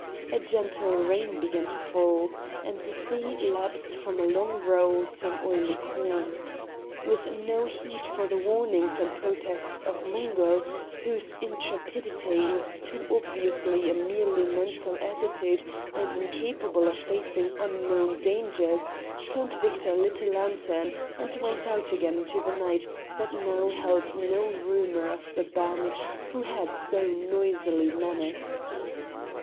A gentle rain began to fall, and the sea lapsed from a long roll to an oily calm. With no heed for the warnings and protests of Mungo, whose intrepidity was too obviously a merely mental attitude and incapable of facing unknown dangers, Count Victor lit a lantern and went out again into the night that now held no rumour of the band who had so noisily menaced.